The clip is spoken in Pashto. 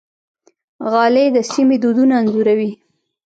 غالۍ د سیمې دودونه انځوروي.